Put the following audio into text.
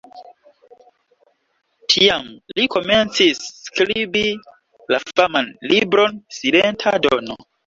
Tiam li komencis skribi la faman libron "Silenta Dono".